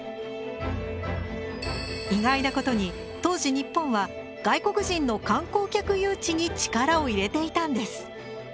意外なことに当時日本は外国人の観光客誘致に力を入れていたんです。